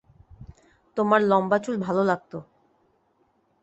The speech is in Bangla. তোমার লম্বা চুল ভালো লাগতো।